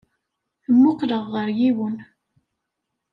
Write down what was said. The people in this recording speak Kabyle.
Mmuqqleɣ ɣer yiwen.